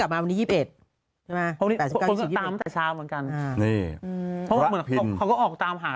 บางบทไว้ฮะเดียวกันไหมฮะ